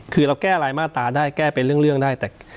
คือเราแก้รายมาตราได้แก้เป็นเรื่องได้แต่